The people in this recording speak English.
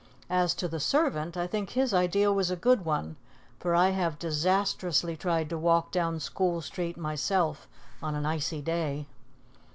As to the servant, I think his idea was a good one, for I have disastrously tried to walk down School Street myself on an icy day.